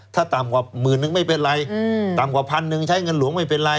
ถ้าต่ำกว่าหมื่นนึงไม่เป็นไรต่ำกว่าพันหนึ่งใช้เงินหลวงไม่เป็นไร